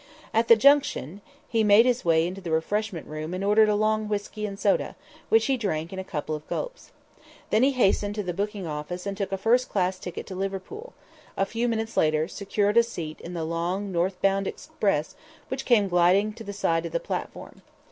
At the Junction, he made his way into the refreshment room and ordered a long whisky and soda, which he drank in a couple of gulps. Then he hastened to the booking office and took a first class ticket to Liverpool, and a few minutes later secured a seat in the long, north bound express which came gliding up to the side of the platform.